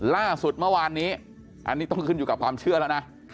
ล่าสุดเมื่อวานนี้อันนี้ต้องขึ้นอยู่กับความเชื่อแล้วนะ